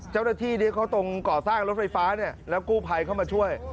เจ้าหน้าที่ที่เขาตรงก่อสร้างรถไฟฟ้าแล้วกู้ภัยเข้ามาช่วย